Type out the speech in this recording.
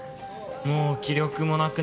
もう気力もなくなったっつうか。